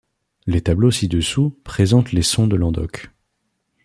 Les tableaux ci-dessous présentent les sons de l’andoke.